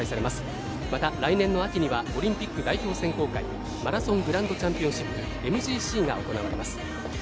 また来年の秋にはオリンピック代表選考会マラソングランドチャンピオンシップ・ＭＧＣが行われます。